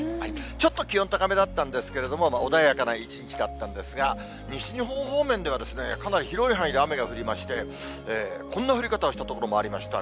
ちょっと気温高めだったんですけれども、穏やかな一日だったんですが、西日本方面では、かなり広い範囲で雨が降りまして、こんな降り方をした所もありました。